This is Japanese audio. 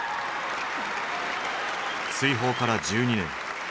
追放から１２年。